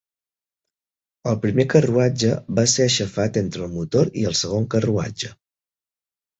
El primer carruatge va ser aixafat entre el motor i el segon carruatge